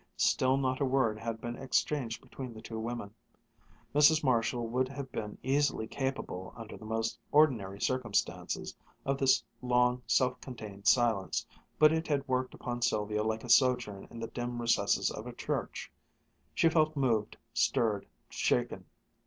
Still not a word had been exchanged between the two women. Mrs. Marshall would have been easily capable, under the most ordinary circumstances, of this long self contained silence, but it had worked upon Sylvia like a sojourn in the dim recesses of a church. She felt moved, stirred, shaken.